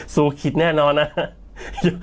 สูขิดแน่นอนนะฮะ